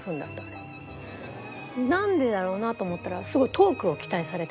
なんでだろうな？と思ったらすごい。